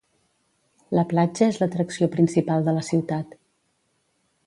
La platja és l'atracció principal de la ciutat.